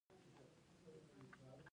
ایا ستاسو غمونه به پای ته و نه رسیږي؟